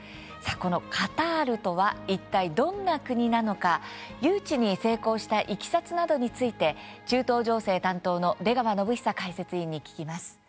このカタールとはいったいどんな国なのか、誘致に成功したいきさつなどについて中東情勢担当の出川展恒解説委員に聞きます。